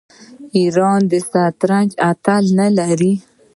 آیا ایران د شطرنج اتلان نلري؟